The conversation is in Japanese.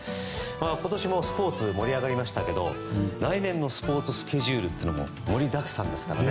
今年もスポーツ盛り上がりましたけど来年のスポーツスケジュールも盛りだくさんですからね。